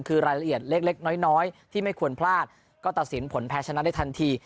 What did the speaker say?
คือรายละเอียดเล็กน้อยที่ไม่ควรพลาดก็ตัดสินผลแพ้ชนะได้ทันที